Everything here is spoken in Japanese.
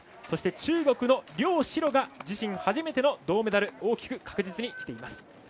そして中国の梁子路が自身初めての銅メダル大きく確実にきています。